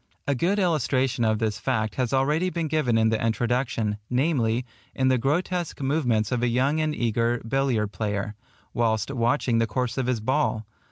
A good illustration of this fact has already been given in the Introduction, namely, in the grotesque movements of a young and eager billiard player, whilst watching the course of his ball.